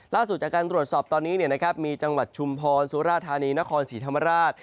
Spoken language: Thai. ล่าสุดจากการตรวจสอบตอนนี้มีจังหวัดชุมพรสุราธานีนครศรีธรรมราช